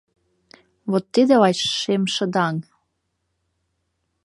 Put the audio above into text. Вот тиде лач шемшыдаҥ.